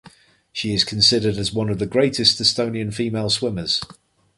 She is considered as one of the greatest Estonian female swimmers.